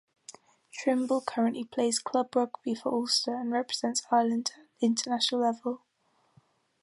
Trimble currently plays club rugby for Ulster and represents Ireland at international level.